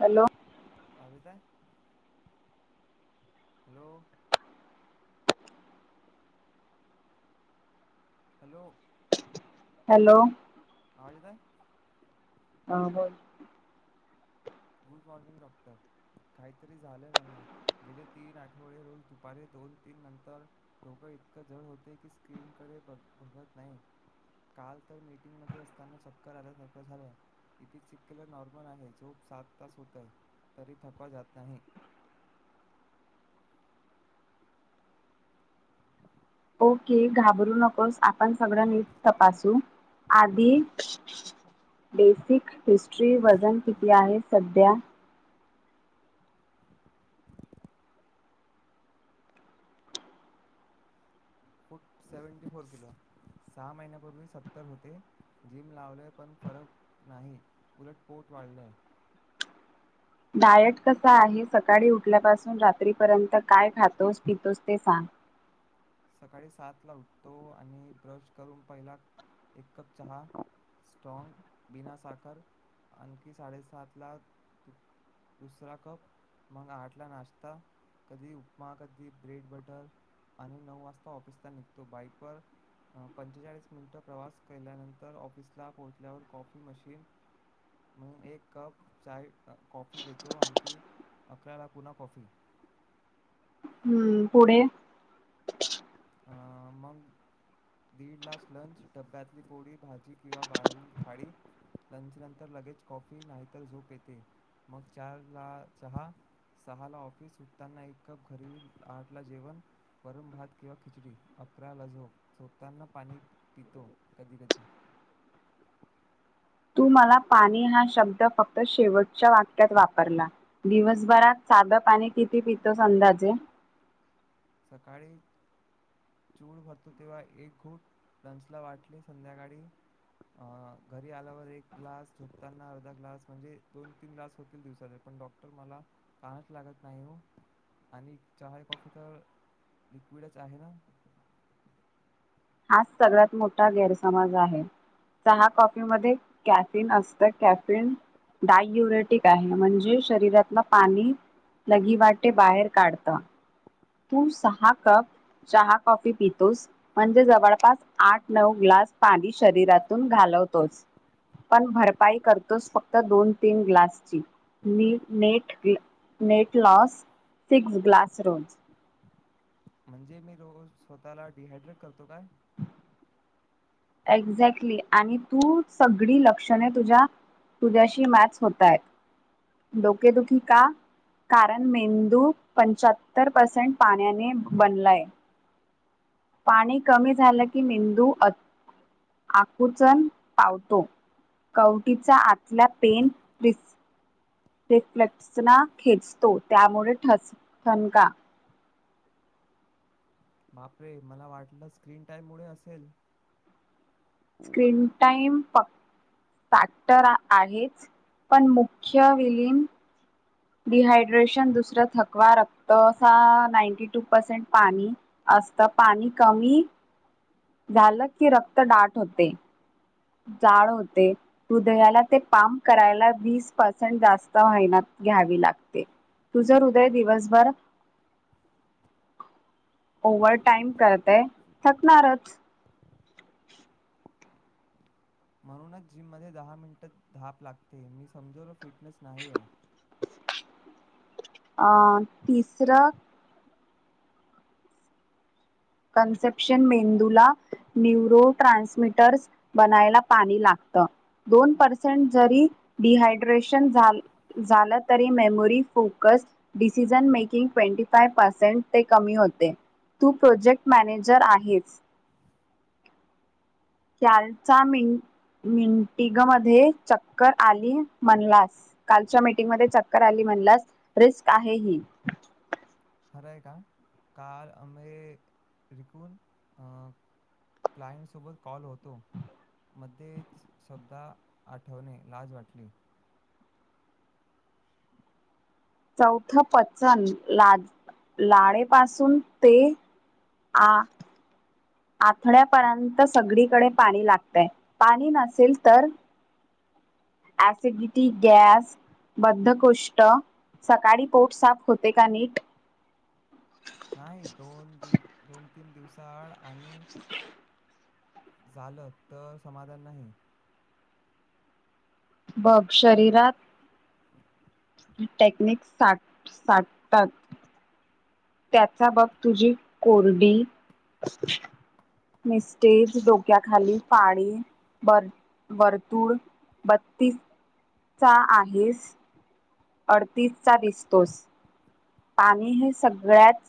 Hello हगित hello hello hello काळता हा बोल गु म डॉक्टर काहीतरी झालंय मला गेले तीन आठवडे रोज दुपारी दोन तीन नंतर दोघं इतक जड होते की, स्क्रीन कडे बघत नाही काल तर मीटिंग मध्ये असताना चक्कर आल्यासारख झाला इ च केलं नॉर्मल आहे जो होतय तरी थकवा जात नाही. ओके घाबरू नकोस आपण सगळं नीट तपासू आधी बेसिक हिस्ट्री वजन किती आहे सध्या सेवटी फोर किलो सहा महिन्यापूर्वी सत्तर होते जिम लावलेय पण फरक नाही उलट पोट वाढलंय डायट कसा आहे सकाळी उठल्यापासून रात्रीपर्यंत काय खातोस, पितोस ते सांग. सकाळी सात ला उठतो आणि ब्रश करून पहिला एक कप चहा स्ट्रॉग बिना साखर आणखी साडेसात ला दुसरा कप मग आठ ला नाश्ता कधी उपमा कधी ब्रेड बटर आणि नऊ वाजता ऑफिसला निघतो बाईक व पंचेचाळीस मिनिट प्रवास केल्यानंतर ऑफिसला पोहोचल्यावर कॉफी मशीन म्हणून एक कप चाय कॉफी पेतो आणखी अकराला पुन्हा कॉफी हम्म पुढ अ मग दीड लाच लंच डबब्यातली पोळी भाजी किंवा बाहेरून थाळी लंच नंतर लगेच कॉफी नाहीतर झोप येते, मग चार ला चहा -सहा ला ऑफीस सुटताना एक कप घरी आठ ला जेवण वरून भात किंवा खिचडी अकरा ल झो झोपताना पाणी पितो कधी कधी तू मला पाणी हा शब्द फक्त शेवटच्या वाक्यात वापरला दिवसभरात साधं पाणी किती पितोस अंदाजे सकाळी चूड भरतो तेव्हा एक घोट लंच ला वाटले संध्याकाळी अ घरी आल्यावर एक ग्लास झोपताना अर्धा ग्लास म्हणजे दोन -तीन ग्लास होतील, दिवसाात पण डॉक्टर मला तहानच लागत नाही ओ आणि चहा कॉफी तर लिक्विडच आहे ना? हाच सगळ्यात मोठा गैरसमाज आहे चहा कॉपीमध्येध्ये कॅफिन असतं, कॅफिन डाययुरेटिक आहे म्हणजे शरीरातला पाणी लगीवाटे बाहेर काढत. तू सहा कप चहा कॉफी पितोस म्हणजे जवळपास आठ -नऊ ग्लास पाणी शरीरातून घालवतोस, पण भरपाई करतोस फक्त दोन- तीन ग्लासची net, net loss six glass रोज म्हणजे मी रोज स्वतःला डिहायड्रेट करतो काय? एक्झॅक्टली आणि तू सगळी लक्षणे तुझ्या तुझ्याशी मॅच होतय डोकेदुखी का कारण मेंदू पंचाहत्तर पर्सेंट पाण्याने बनलाय पाणी कमी झालं की मेंदू आकुचन पावतो कवटीचा आतला पेन प्रिस रिफ्लेक्ना खेचतो त्यामुळे ठ ठणका बापरे मला वाटलं स्क्रीन टाइम मुळे असेल स्क्रीन टाईम पक् सॅटर आहेच पण मुख्य विलीन डिहायड्रेशन दुसरं थकवा रक्त अस नाईंटी टू पसेंट पाणी असतं पाणी कमी झालं की रक्त डाट होते. जाळ होते हृदयाला ते पाम करायला वीस पर्सेंट जास्त मेहनत घ्यावी लागते. तुझं हृदय दिवसभर ओव्हर टाईम करतय थकणारच म्हणूनच जिम मध्ये दहा मिनिट धाप लागते, मी समजवलो फिटनेस नाही आहे अ तिसरा कंसेप्शन मेंदूला न्युरो ट्रान्समिटर्स बनायला पाणी लागत, दोन पर्सेंट जरी डिहायड्रेशन झालं तरी memory focus decision making twenty percent ते कमी होते तू प्रोजेक्ट मॅनेजर आहेच. मिटिंगमध्ये चक्कर आलीस कालच्या मिटिंगमध्ये चक्कर आली म्हनलास रिस्क आहे ही खरं आहे का? काल आम्ही रिकून अ क्लायंटसोबत कॉल होतो. मध्येच शब्दा आठवणे लाज वाटली. चौथं पचन ला लाळेपासून ते आ आथड्यापर्यंत सगळीकडे पाणी लागतय. पाणी नसेल तर ऍसिडिटी, गॅस बद्धकोष्ट सकाळी पोट साफ होते का नीट? नाही. दोन दिव दोन, तीन दिवसा आड आणि [inaudible] झालं तर समाधान नाही. बघ शरीरात [unintelligible] टेक्निक सा साटतात. त्याचा बघ तुझी कोरडी मिस्टेज डोक्याखाली पाळी वर वर्तूळ बत्तीस चा आहेस. अडतीस चा दिसतोस. पाणी हे सगळ्यात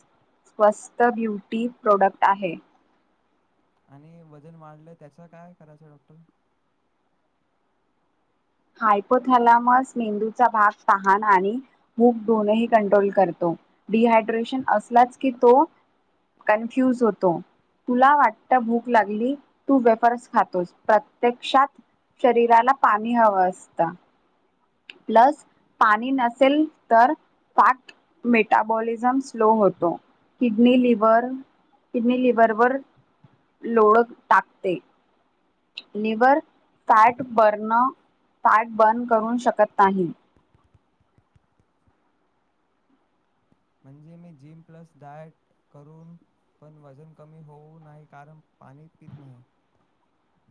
स्वस्त ब्युटी प्रोडक्ट आहे. आणि वजन वाढलं त्याच काय करायचं डॉक्टर? हायपोथलामस मेंदूचा भाग तहान आणि भूक दोनही कंट्रोल करतो. डिहायड्रेशन असलाच की तो कन्फ्युज होतो. तुला वाटत भूक लागली तू वेफर्स खातोस प्रत्यक्षात शरीराला पाणी ह वाचता. प्लस पाणी नसेल तर फॅट मेटाबॉलिझम स्लो होतो. किडनी लिव्हर किडनी लिव्हरवर लोळ टाकते. Liver fat burn fat burn करू शकत नाही. म्हणजे मी जिम प्लस डायट करून पण वजन कमी होऊ नाही कारण पाणी पित नाही.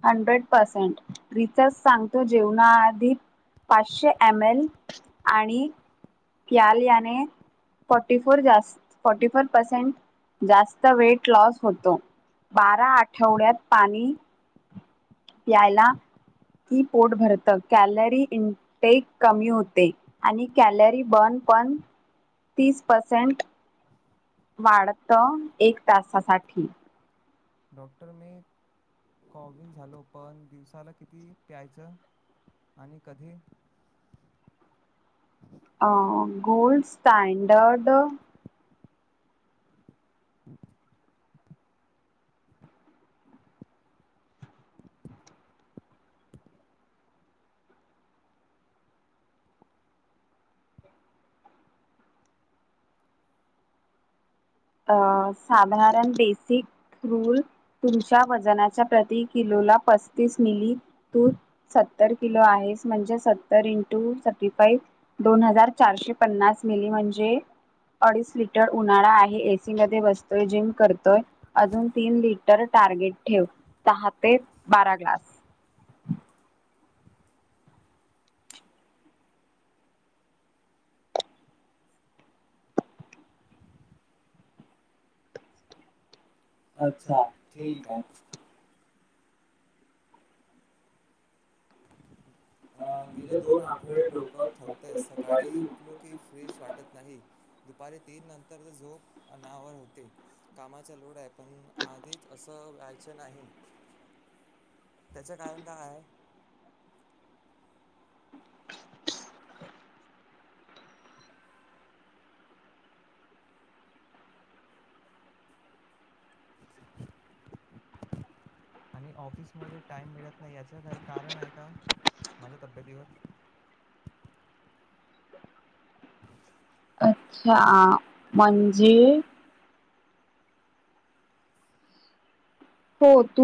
हंड्रेड परसेंट रिसर्च सांगतो जेवणाआधी पाचशे एम एल आणि पल याने फटी फोर फॉर्टी फोर पर्सेंट जास्त वेट लॉस होतो. बारा आठवड्यात पाणी यायला की पोट भरत कॅलरी इनटेक कमी होते आणि कॅलरी बर्न पण तीस पर्सेंट वाढत एक तासासाठी. डॉक्टर मी कोविन झालो पण दिवसाला किती प्यायचं आणि कधी? अ गोल्ड स्टॅंडर्ड अ साधारण बेसिक रूल तुमच्या वजनाच्या प्रती किलोला पस्तीस मिली. तू सत्तर किलो आहेस म्हणजे सत्तर इंटू थर्टीफाईव्ह दोन हजार चारशे पन्नास मिली म्हणजे अडीच लिटर उन्हाळा आहे. एसी मध्ये बसतोय, जिम करतोय, अजून तीन लिटर टार्गेट ठेव. सहा ते बारा ग्लास. अच्छा. ठीक आहे. अं गेले दोन आठवडे डोक थकतय, सकाळी उठलो की फ्रेश वाटत नाही. दुपारी तीन नंतर झोप अनावर होते. कामाचा लोड आहे पण आधीच असं व्हायच नाही, त्याचे कारण काय आहे? आणि ऑफिस मुळे टाइम मिळत नाही याच काही कारण आहे का माझ्या तब्येतीवर? हा. आ म्हणजे हो. तू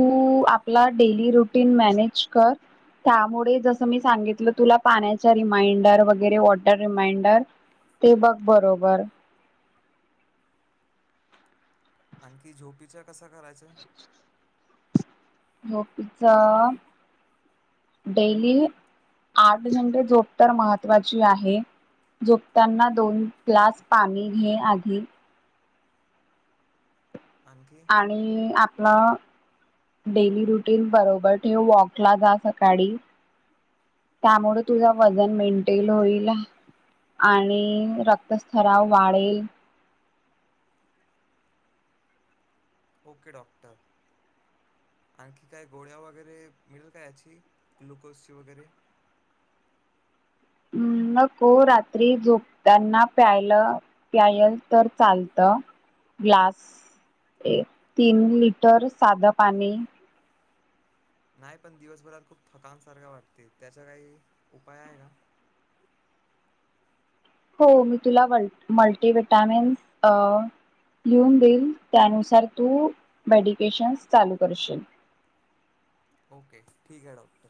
आपला डेली रुटीन मॅनेज कर. त्यामुळे जसं मी सांगितलं तुला पाण्याच्या रिमाइंडर वगैरे वॉटर रिमाइंडर ते बघ बरोबर. आणखी झोपेच्या कसं करायचं? झोपेच, डेली आठ घंटे झोप तर महत्वाची आहे. झोपताना दोन ग्लास पाणी घे आधी. आणखी आणि आपलं डेली रुटीन बरोबर ठेव, वॉकला जा सकाळी, त्यामुळे तुझा वजन मेंटेन होईल आणि रक्तस्ञाव वाढेल. Okay doctor. आणखी काय गोळ्या वगैरे मिळेल का याची ग्लुकोजची वगैरे? नको. रात्री झोपताना प्यायला प्यायल तर चालत ग्लास तीन लिटर साधं पाणी. नाही. पण दिवसभरात खूप थकनसारखा वाटते त्याचा काही उपाय आहे का? हो. मी तुला व मल मल्टी व्हिटामिन्स अ लिहून देईल त्यानुसार तू मेडिकेशन्स चालू करशील. ओके ठीक आहे डॉक्टर.